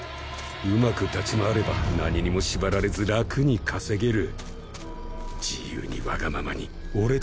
うまく立ち回れば何にも縛られず楽に稼げる。